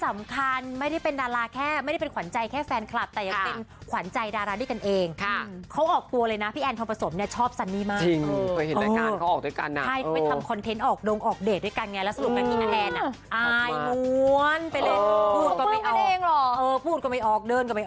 อันนี้เนี่ยชื่นชอบนักแสดงตลกยุคเก้าศูนย์อหนูเชิญยิ้ม